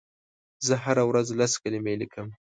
زه هره ورځ لس کلمې لیکم.